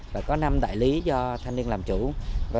và có năm đại lý do thanh niên phát triển kinh tế